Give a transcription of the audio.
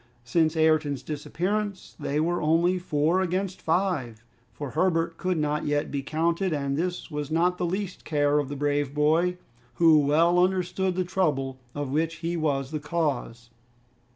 Since Ayrton's disappearance they were only four against five, for Herbert could not yet be counted, and this was not the least care of the brave boy, who well understood the trouble of which he was the cause.